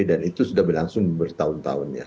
dan itu sudah berlangsung bertahun tahun ya